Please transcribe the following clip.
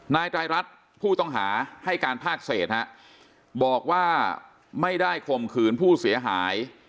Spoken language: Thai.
นายไตรรัฐผู้ต้องหาให้การภาคเศษฮะบอกว่าไม่ได้ข่มขืนผู้เสียหาย